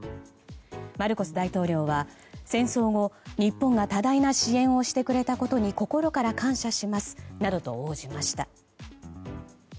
マルコス大統領は戦争後日本が多大な支援をしてくれたことに心から感謝しますなどと応じました。